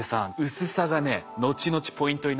薄さがね後々ポイントになってきますから。